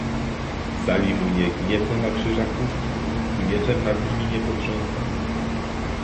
"Zali mu nie gniewno na Krzyżaków i mieczem nad nimi nie potrząsa?"